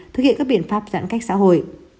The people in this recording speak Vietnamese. thực hiện các biện pháp giãn cách xã hội